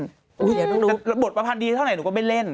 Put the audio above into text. เดี๋ยวนุ่งรู้อุ๊ยแต่บทปภัณฑ์ดีเท่าไหนหนูก็ไม่เล่น